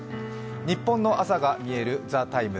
ニッポンの朝がみえる「ＴＨＥＴＩＭＥ，」